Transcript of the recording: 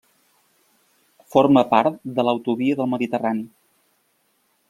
Forma part de l'Autovia del Mediterrani.